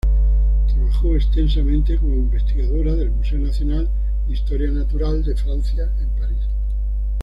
Trabajó extensamente como investigadora del Museo Nacional de Historia Natural de Francia, en París.